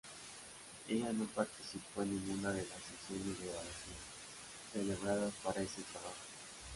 Ella no participó en ninguna de las sesiones de grabación celebradas para este trabajo.